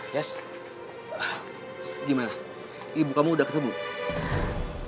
yes gimana ibu kamu udah ketemu belum pak belum ketemu